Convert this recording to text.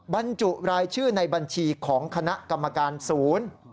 บรรจุรายชื่อในบัญชีของคณะกรรมการศูนย์